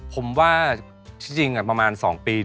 ผมว่าที่จริงประมาณ๒ปี